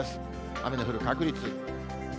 雨の降る確率。